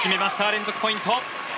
連続ポイント。